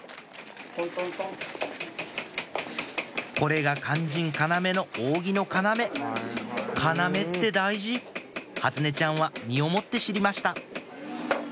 これが肝心要の扇の要要って大事初音ちゃんは身をもって知りました